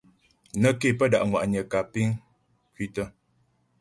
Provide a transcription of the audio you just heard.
Nə́ ké pə́ da' ŋwa'nyə kǎ piŋ kwǐtə.